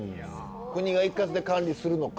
国が一括で管理するのか。